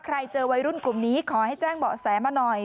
เจอวัยรุ่นกลุ่มนี้ขอให้แจ้งเบาะแสมาหน่อย